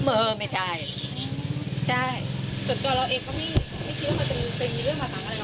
ส่วนตัวเราเองก็ไม่คิดว่ามันจะมีเรื่องอะไรกับใคร